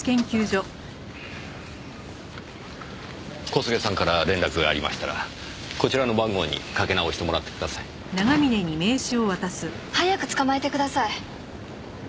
小菅さんから連絡がありましたらこちらの番号にかけ直してもらってください。早く捕まえてください。